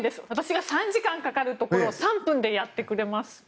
私が３時間かかるところを３分でやってくれます。